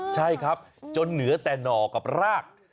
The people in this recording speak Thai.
ใช่ครับจนเหนือแต่หน่อกับราก